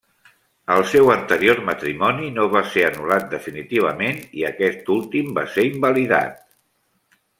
El seu anterior matrimoni no va ser anul·lat definitivament i aquest últim va ser invalidat.